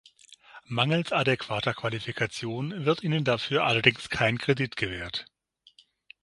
Mangels adäquater Qualifikation wird ihnen dafür allerdings kein Kredit gewährt.